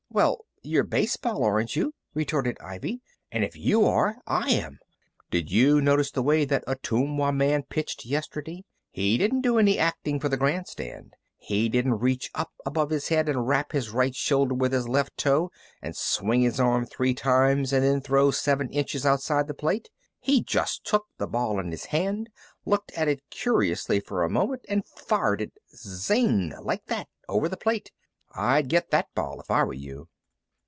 Well, you're baseball, aren't you?" retorted Ivy. "And if you are, I am. Did you notice the way that Ottumwa man pitched yesterday? He didn't do any acting for the grandstand. He didn't reach up above his head, and wrap his right shoulder with his left toe, and swing his arm three times and then throw seven inches outside the plate. He just took the ball in his hand, looked at it curiously for a moment, and fired it zing! like that, over the plate. I'd get that ball if I were you."